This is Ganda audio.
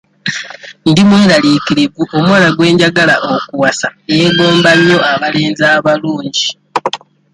Ndi mweraliikirivu omuwala gwe njagala okuwasa yeegomba nnyo abalenzi abalungi.